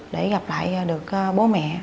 để gặp lại được bố mẹ